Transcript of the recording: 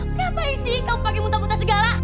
kenapa isi kamu pake muntah muntah segala